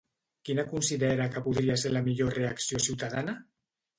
Quina considera que podria ser la millor reacció ciutadana?